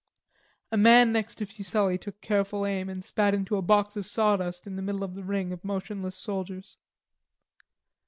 A man next to Fuselli took careful aim and spat into the box of sawdust in the middle of the ring of motionless soldiers.